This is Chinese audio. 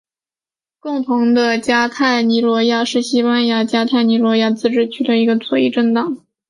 共同的加泰罗尼亚是西班牙加泰罗尼亚自治区的一个左翼政党。